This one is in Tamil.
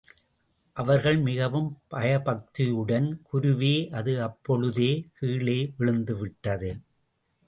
அவர்கள் மிகவும் பயபக்தியுடன் குருவே, அது அப்பொழுதே கீழே விழுந்துவிட்டது.